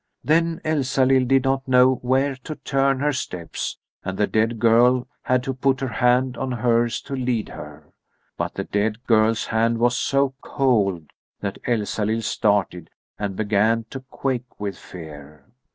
Then Elsalill did not know where to turn her steps and the dead girl had to put her hand on hers to lead her. But the dead girl's hand was so cold that Elsalill started and began to quake with fear.